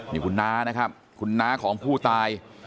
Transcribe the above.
นี่คุณน้านะครับคุณน้าของผู้ตาย